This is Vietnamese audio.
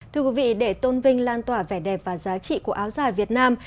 thưa quý vị để tôn vinh lan tỏa vẻ đẹp và giá trị của áo dài việt nam